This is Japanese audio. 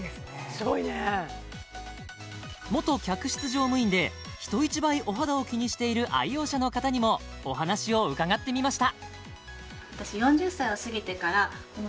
すごいね元客室乗務員で人一倍お肌を気にしている愛用者の方にもお話を伺ってみました